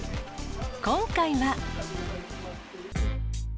今回は。